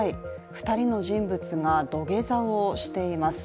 ２人の人物が土下座をしています。